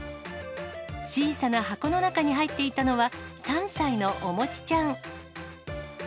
小さな箱の中に入っていたのは、３歳のおもちちゃん。